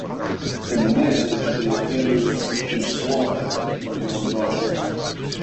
In the message the offenders to "slaughter" her young daughter.